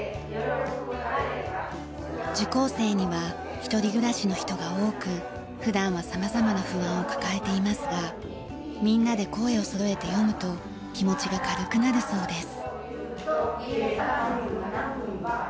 受講生には一人暮らしの人が多く普段は様々な不安を抱えていますがみんなで声をそろえて読むと気持ちが軽くなるそうです。